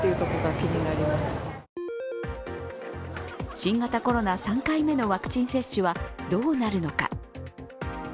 新型コロナ３回目のワクチン接種はどうなるのか。